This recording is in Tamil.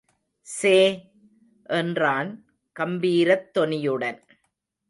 சே! என்றான் கம்பீரத்தொனியுடன்.